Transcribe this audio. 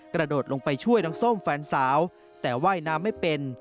กระโดดลงไปช่วยน้องส้มแฟนสาวแต่ว่ายน้ำไม่เป็น